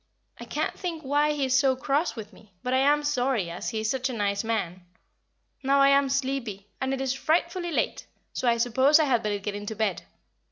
I can't think why he is so cross with me, but I am sorry, as he is such a nice man. Now I am sleepy, and it is frightfully late, so I suppose I had better get into bed.